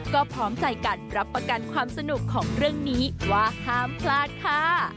ก็พร้อมใจกันรับประกันความสนุกของเรื่องนี้ว่าห้ามพลาดค่ะ